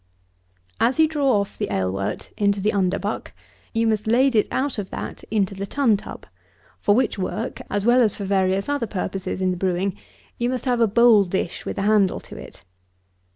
45. As you draw off the ale wort into the underbuck, you must lade it out of that into the tun tub, for which work, as well as for various other purposes in the brewing, you must have a bowl dish with a handle to it.